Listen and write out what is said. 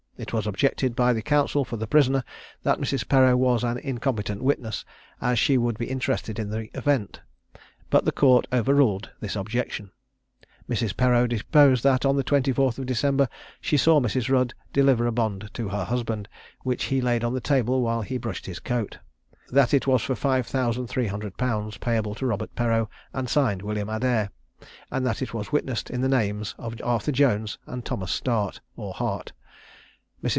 It was objected by the counsel for the prisoner, that Mrs. Perreau was an incompetent witness, as she would be interested in the event; but the Court overruled this objection. Mrs. Perreau deposed that, on the 24th December, she saw Mrs. Rudd deliver a bond to her husband, which he laid on the table while he brushed his coat; that it was for five thousand three hundred pounds, payable to Robert Perreau, and signed "William Adair;" and that it was witnessed in the names of Arthur Jones and Thomas Start, or Hart. Mrs.